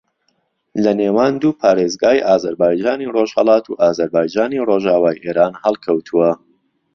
لە نێوان دوو پارێزگای ئازەربایجانی ڕۆژھەڵات و ئازەربایجانی ڕۆژاوای ئێران ھەڵکەوتووە